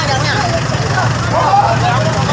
รถมันต่อไปเสียเนอะ